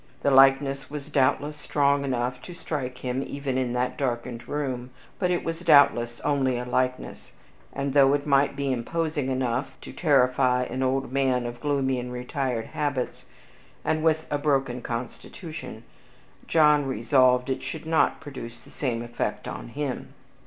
The likeness was doubtless strong enough to strike him even in that darkened room, but it was doubtless only a likeness; and though it might be imposing enough to terrify an old man of gloomy and retired habits, and with a broken constitution, John resolved it should not produce the same effect on him.